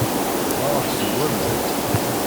Ffɣeɣ-d seg waman.